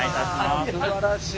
うわすばらしい。